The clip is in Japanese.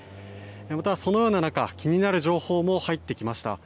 また、そのような中気になる情報も入ってきました。